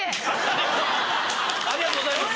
ありがとうございます。